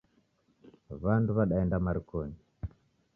Wandu wadaenda marikonyi